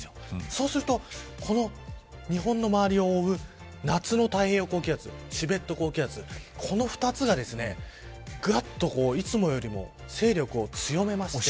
そうすると、日本の周りを覆う夏の太平洋高気圧チベット高気圧この２つがぐわっといつもよりも勢力を強めて。